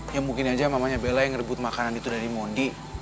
ya mungkin aja mamanya bella yang ngerebut makanan itu dari mondi